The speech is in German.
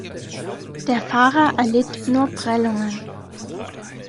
Der Fahrer erlitt nur Prellungen.